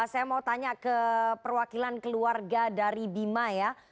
saya mau tanya ke perwakilan keluarga dari bima ya